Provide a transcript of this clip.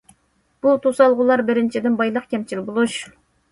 بۇ توسالغۇلار: بىرىنچىدىن، بايلىق كەمچىل بولۇش.